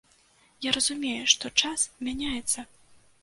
Я разумею, што час мяняецца.